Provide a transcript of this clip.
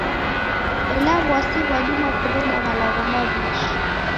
Ela w'asi ghwadima kureda malagho maw'ishi.